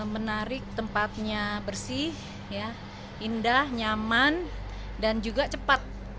menarik tempatnya bersih indah nyaman dan juga cepat